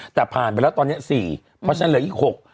แต่ผ่านไปแล้วตอนนี้๔เพราะฉะนั้นเหลืออีก๖